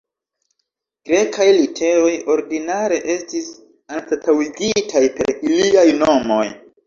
Grekaj literoj ordinare estis anstataŭigitaj per iliaj nomoj.